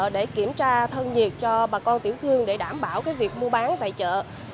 để kiểm tra thân nhiệt cho bà con tiểu thương để đảm bảo việc mua bán tại chợ